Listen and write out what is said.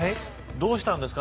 どうしたんですか。